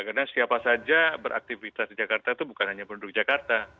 karena siapa saja beraktivitas di jakarta itu bukan hanya penduduk jakarta